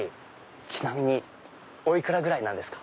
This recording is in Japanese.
ちなみにお幾らぐらいなんですか？